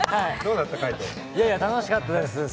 楽しかったです。